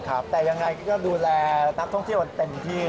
แต่ยังไงก็ดูแลนักท่องเที่ยวกันเต็มที่